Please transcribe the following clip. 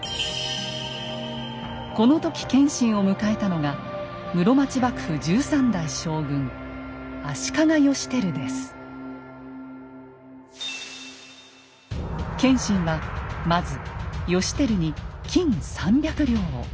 この時謙信を迎えたのが室町幕府謙信はまず義輝に金三百両を。